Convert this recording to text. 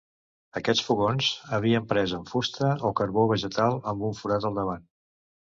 Aquests fogons havien pres amb fusta o carbó vegetal amb un forat al davant.